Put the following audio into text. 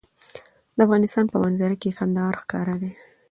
د افغانستان په منظره کې کندهار ښکاره دی.